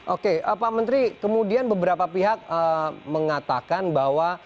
oke pak menteri kemudian beberapa pihak mengatakan bahwa